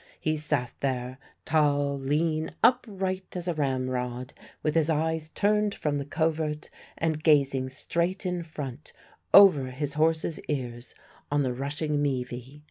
He sat there, tall, lean, upright as a ramrod, with his eyes turned from the covert and gazing straight in front, over his horse's ears, on the rushing Meavy.